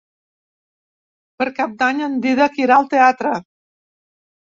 Per Cap d'Any en Dídac irà al teatre.